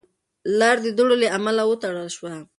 لار د دوړو له امله وتړل شوه.